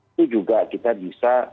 itu juga kita bisa